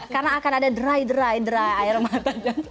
karena akan ada dry dry dry air mata dan air mata